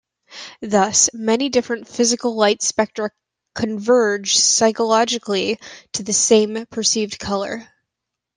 Thus, many different physical light spectra converge psychologically to the same perceived color.